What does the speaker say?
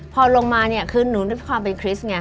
พอลงมาเนี่ยคือหนูด้วยความเป็นคริสต์ไง